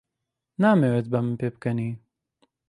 نامەوێت بە من پێبکەنی.